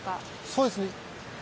そうですね。